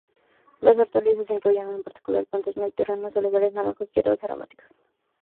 Las hortalizas incluyen, en particular, plantas mediterráneas: olivares, naranjos, hierbas aromáticas.